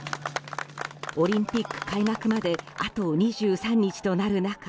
オリンピック開幕まであと２３日となる中